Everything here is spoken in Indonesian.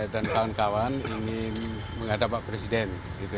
dan kawan kawan ingin menghadap pak presiden